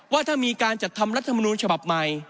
ว่าถ้ามีการจัดทำรัฐมนูลฉบับใหม่